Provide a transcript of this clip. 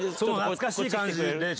懐かしい感じで。